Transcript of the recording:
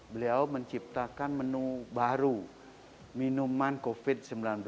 beliau menciptakan menu baru minuman covid sembilan belas